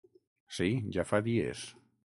Sí, ja fa dies.